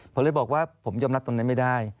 ผมเลยบอกว่าผมยอมรับตรงนั้นไม่ได้